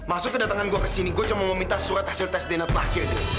maksud kedatangan gue ke sini gue cuma mau minta surat hasil tes dna terakhir du